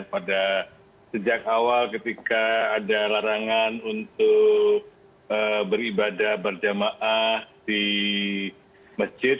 pada sejak awal ketika ada larangan untuk beribadah berjamaah di masjid